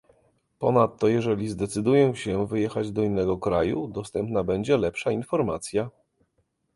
Ponadto jeżeli zdecyduję się wyjechać do innego kraju, dostępna będzie lepsza informacja